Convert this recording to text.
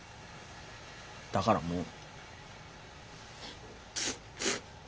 だからもう。